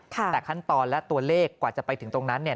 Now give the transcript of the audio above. แต่ขั้นตอนและตัวเลขกว่าจะไปถึงตรงนั้นเนี่ย